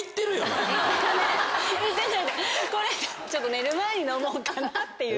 寝る前に飲もうかなっていう。